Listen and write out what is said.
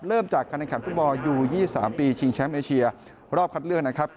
เริ่มจากการแข่งขันฟุตบอลยู๒๓ปีชิงแชมป์เอเชียรอบคัดเลือกนะครับ